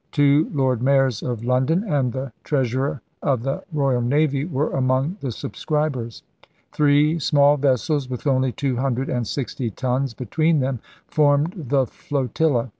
Two Lord Mayors of London and the Treas urer of the Royal Navy were among the subscrib ers. Three small vessels, with only two hundred and sixty tons between them, formed the flotilla.